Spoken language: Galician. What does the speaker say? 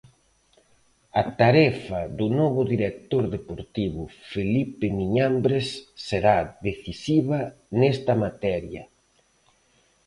A tarefa do novo director deportivo, Felipe Miñambres será decisiva nesta materia.